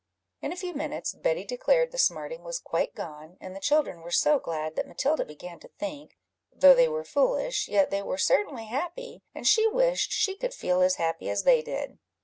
In a few minutes, Betty declared the smarting was quite gone; and the children were so glad, that Matilda began to think, though they were foolish, yet they were certainly happy, and she wished she could feel as happy as they did.